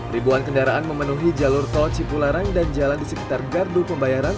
ribuan kendaraan memenuhi jalur tol cipularang dan jalan di sekitar gardu pembayaran